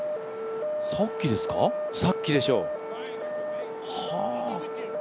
さっきでしょう。